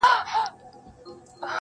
شاعر نه یم زما احساس شاعرانه دی،